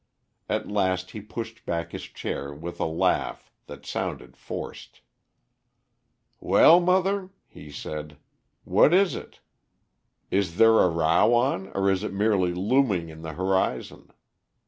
At last he pushed back his chair with a laugh that sounded forced. "Well, mother," he said, "what is it? Is there a row on, or is it merely looming in the horizon?